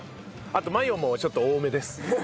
あとマヨもちょっと多めです。